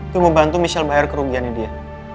gue mau bantu michelle bayar kerugiannya dia